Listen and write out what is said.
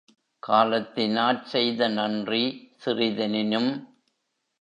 காலத்தி னாற்செய்த நன்றி சிறிதெனினும்